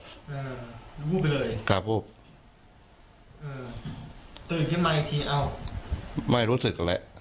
อือวูบไปเลยกราบวูบอือตื่นที่มายีทีเอาไม่รู้สึกแหละ